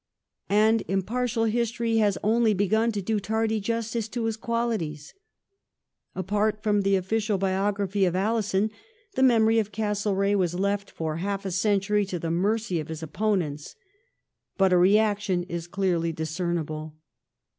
And impartial history has only begun to do tardy justice to his qualities. Apart from the official biography of Alison, the memory of Castlereagh was left, for half a century, to the mercy of his opponents. But a reaction is clearly discernible.